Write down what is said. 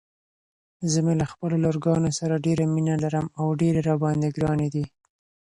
زه مې خپلو لورګانو سره ډيره مينه لرم او ډيرې راباندې ګرانې دي.